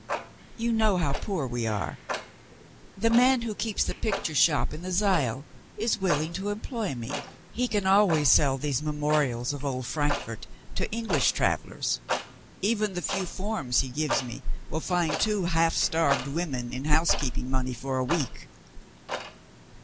You know how poor we are. The man who keeps the picture shop in the Zeil is willing to employ me. He can always sell these memorials of old Frankfort to English travelers. Even the few forms he gives me will find two half starved women in housekeeping money for a week."